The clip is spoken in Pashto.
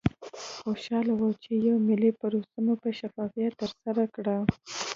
خوشحاله وو چې یوه ملي پروسه مو په شفافیت ترسره کړه.